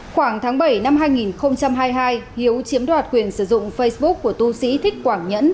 khoảng tháng bảy năm hai nghìn hai mươi hai hiếu chiếm đoạt quyền sử dụng facebook của tu sĩ thích quảng nhẫn